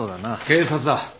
警察だ。